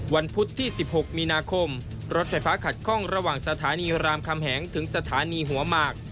พุธที่๑๖มีนาคมรถไฟฟ้าขัดข้องระหว่างสถานีรามคำแหงถึงสถานีหัวหมาก